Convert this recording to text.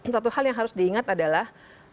satu hal yang harus diingat adalah